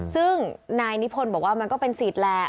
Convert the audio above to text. ซึ่งนายนิพนธ์บอกว่ามันก็เป็นสิทธิ์แหละ